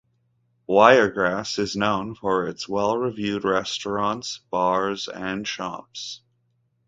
Wiregrass is known for its well-reviewed restaurants, bars and shops.